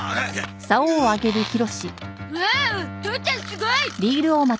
すごい！